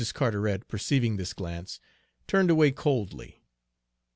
Carteret, perceiving this glance, turned away coldly.